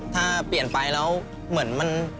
ถ้าเปลี่ยนไปแล้วเหมือนมัน